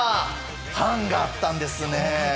半があったんですね。